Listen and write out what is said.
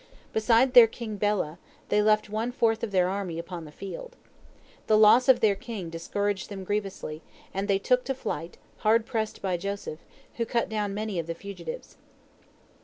Beside their king Bela, they left one fourth of their army upon the field. The loss of their king discouraged them grievously, and they took to flight, hard pressed by Joseph, who cut down many of the fugitives.